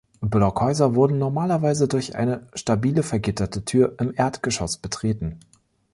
Blockhäuser wurden normalerweise durch eine stabile, vergitterte Tür im Erdgeschoss betreten.